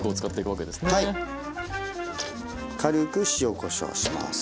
軽く塩・こしょうします。